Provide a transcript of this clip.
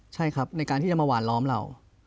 ใช่ครับในการที่จะมาหวานล้อมเรา